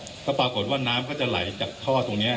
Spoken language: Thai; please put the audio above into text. คุณผู้ชมไปฟังผู้ว่ารัฐกาลจังหวัดเชียงรายแถลงตอนนี้ค่ะ